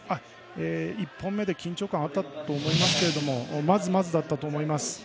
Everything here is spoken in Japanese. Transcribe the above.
１本目で緊張感があったと思いますがまずまずだったと思います。